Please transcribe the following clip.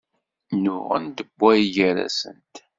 Nnuɣent wway-gar-asent.